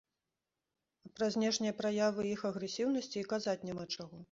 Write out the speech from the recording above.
А пра знешнія праявы іх агрэсіўнасці і казаць няма чаго!